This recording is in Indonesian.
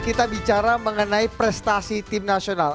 kita bicara mengenai prestasi tim nasional